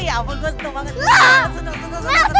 ya ampun gue sentuh banget